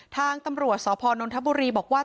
ทางตำรวจสพนนทบุรีบอกว่า